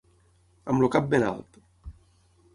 Amb el cap ben alt.